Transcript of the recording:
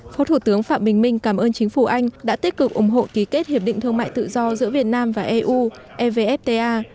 phó thủ tướng phạm bình minh cảm ơn chính phủ anh đã tích cực ủng hộ ký kết hiệp định thương mại tự do giữa việt nam và eu evfta